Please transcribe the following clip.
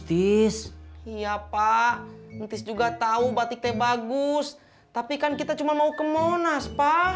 tis iya pak ngetis juga tahu batiknya bagus tapi kan kita cuma mau kemonas pak